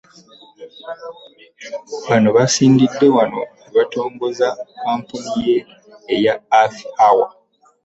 Bano basinzidde wano ne batongoza kkampeyini ya Earth Hour